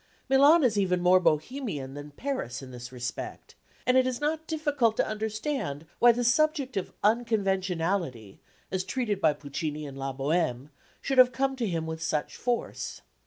Milan is even more Bohemian than Paris in this respect, and it is not difficult to understand why the subject of unconventionality, as treated by Puccini in La Bohème, should have come to him with such force.